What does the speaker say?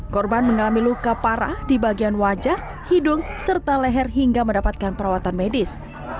korban mengalami luka parah di bagian wajah hidung serta leher hingga mendapatkan perawatan medis